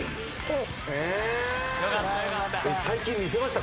最近見せました？